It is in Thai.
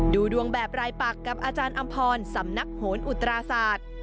ดูดวงแบบรายปักกับอาจารย์อำพรสำนักโหนอุตราศาสตร์